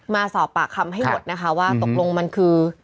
มาสอบปากคำให้หมดนะคะว่าตกลงมันคือ